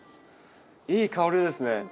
いい香りですね。